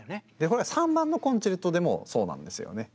これは３番のコンチェルトでもそうなんですよね。